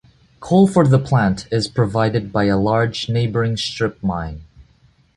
Coal for the plant is provided by a large neighboring strip mine.